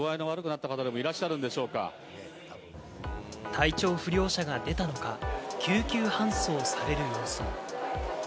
体調不良者が出たのか、救急搬送される様子も。